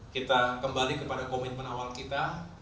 kita kembali kepada komitmen awal kita